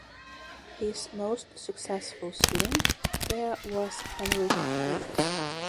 His most successful student there was Heinrich Schlitt.